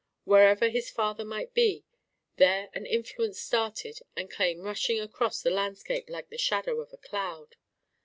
Wherever his father might be, there an influence started and came rushing across the landscape like the shadow of a cloud.